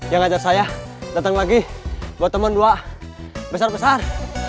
yang ngajak saya datang lagi buat teman dua besar besar